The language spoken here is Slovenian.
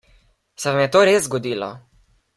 Se vam je to res zgodilo?